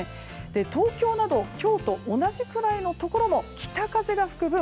東京など今日と同じくらいのところも北風が吹く分